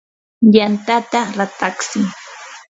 yantata ratatsi.